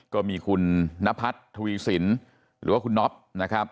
ก็มีคุณนพัฒน์ทวีสินหรือว่าคุณน็อปนะครับ